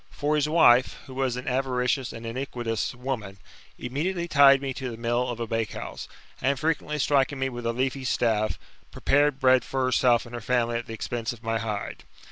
For hi? wife, who was an avaricious and iniquitous woman, immediately tied me to the mill of a bakehouse, and, frequently striking me with a leafy staff, prepared bread for herself and her family at the expense of my hide.